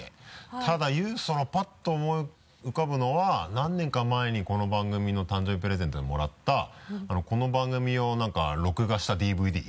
ただパッと思い浮かぶのは何年か前にこの番組の誕生日プレゼントにもらったこの番組を録画したＤＶＤ。